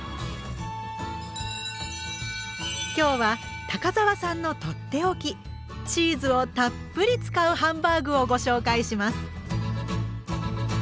今日は高沢さんのとっておきチーズをたっぷり使うハンバーグをご紹介します。